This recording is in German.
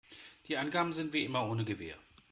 Die Angaben sind wie immer ohne Gewähr.